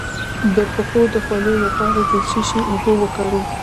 د پښو د خولې لپاره د څه شي اوبه وکاروم؟